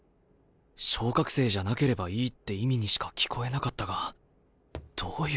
昇格生じゃなければいいって意味にしか聞こえなかったがどういうことだ？